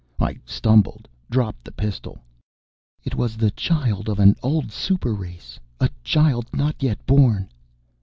I stumbled, dropped the pistol. "It was the child of an old super race a child not yet born."